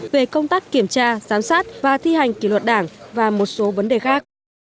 về công tác kiểm tra giám sát và thi hành kỷ luật đảng và một số vấn đề khác